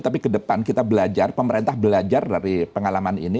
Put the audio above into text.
tapi ke depan kita belajar pemerintah belajar dari pengalaman ini